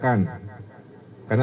karena akhir pekan